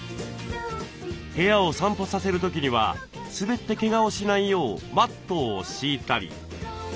部屋を散歩させる時には滑ってけがをしないようマットを敷いたり。